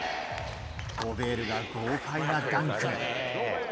ゴベールが豪快なダンク。